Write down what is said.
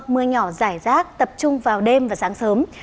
mưa nhỏ rải rác tập trung vào đêm và sáng sớm